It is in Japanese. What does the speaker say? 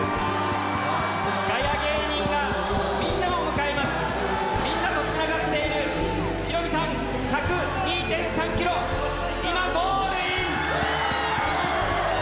ガヤ芸人がみんなが迎えます、みんなとつながっている、ヒロミさん、１０２．３キロ、今ゴールイン！